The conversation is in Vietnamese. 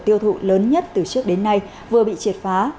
tiêu thụ lớn nhất từ trước đến nay vừa bị triệt phá